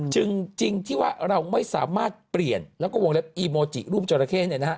จึงจริงที่ว่าเราไม่สามารถเปลี่ยนแล้วก็วงเล็บอีโมจิรูปเจ้าระเข้เนี่ยนะฮะ